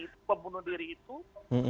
pembunuh diri itu